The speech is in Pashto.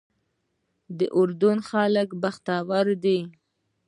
د اردن خلک بختور دي.